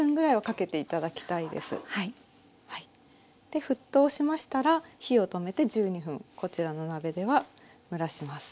で沸騰しましたら火を止めて１２分こちらの鍋では蒸らします。